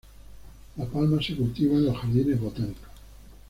La palma se cultiva en los jardines botánicos.